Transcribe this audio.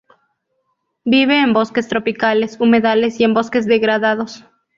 Vive en bosques tropicales, humedales y en bosques degradados.